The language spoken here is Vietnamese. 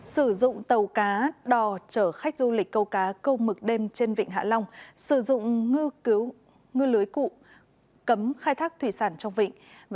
sử dụng tàu cá đò chở khách du lịch câu cá câu mực đêm trên vịnh hạ long sử dụng ngư cứu ngư lưới cụ cấm khai thác thủy sản trong vịnh